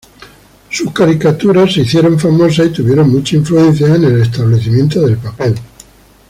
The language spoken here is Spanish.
Sus caricaturas se hicieron famosas y tuvieron mucha influencia en el establecimiento del papel.